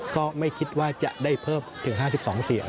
ก็ไม่คิดว่าจะได้เพิ่มถึง๕๒เสียง